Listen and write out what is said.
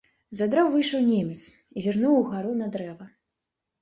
З-за дрэў выйшаў немец і зірнуў угару на дрэва.